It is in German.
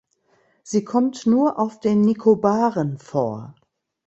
Sie kommt nur auf den Nikobaren vor.